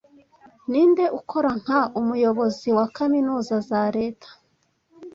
Ninde ukora nka umuyobozi wa Kaminuza za Leta